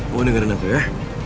mau dengerin aku ya